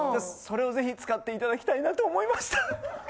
それをぜひ使って頂きたいなと思いました。